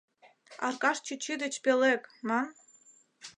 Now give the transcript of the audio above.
Аркаш чӱчӱ деч пӧлек, ман.